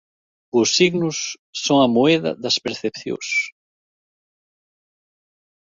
Os signos son a moeda das percepcións.